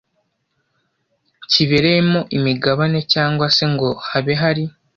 kibereyemo imigabane cyangwa se ngo habe hari